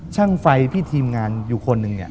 ช่างไฟพี่ทีมงานอยู่คนหนึ่งเนี่ย